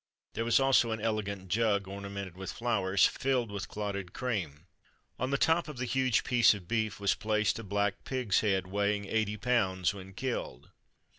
There was also an elegant jug, ornamented with flowers, filled with clotted cream. On the top of the huge piece of beef, was placed a black pig's head, weighing eighty pounds when killed.